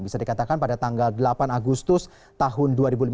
bisa dikatakan pada tanggal delapan agustus tahun dua ribu lima belas